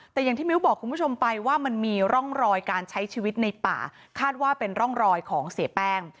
แต่อย่างที่มิ้วบอกคุณผู้ชมไปว่ามันมีร่องรอยการใช้ชีวิตในป่าคาดว่าเป็นร่องรอยของเสียแป้ง